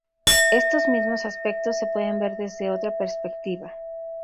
Estos mismos aspectos, se pueden ver desde otra perspectiva.